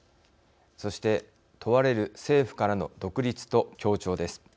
そして、問われる政府からの独立と協調です。